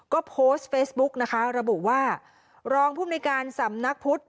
ก็โพสต์เฟซบุ๊กนะคะระบุว่ารองภูมิในการสำนักพุทธ